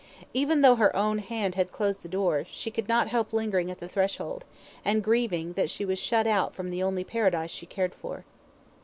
Even though her own hand had closed the door, she could not help lingering at the threshold, and grieving that she was shut out from the only paradise she cared for.